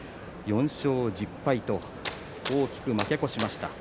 ４勝１０敗と大きく負け越しました。